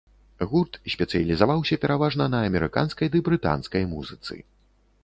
Гурт спецыялізаваўся пераважна на амерыканскай ды брытанскай музыцы.